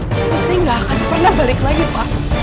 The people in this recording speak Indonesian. putri nggak akan pernah balik lagi pak